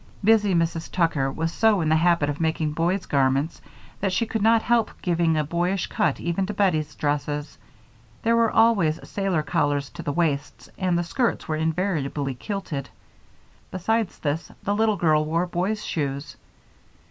Busy Mrs. Tucker was so in the habit of making boys' garments that she could not help giving a boyish cut even to Bettie's dresses. There were always sailor collars to the waists, and the skirts were invariably kilted. Besides this, the little girl wore boys' shoes.